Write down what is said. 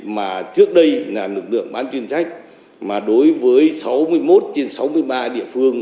mà trước đây là lực lượng bán chuyên trách mà đối với sáu mươi một trên sáu mươi ba địa phương